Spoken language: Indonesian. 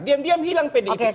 diam diam hilang pdip